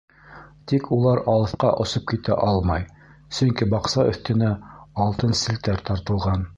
Тик улар алыҫҡа осоп китә алмай, сөнки баҡса өҫтөнә алтын селтәр тартылған.